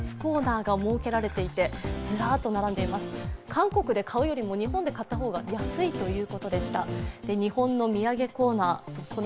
韓国で買うよりも日本で買った方が安いということでした。